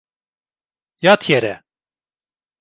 Yat yere!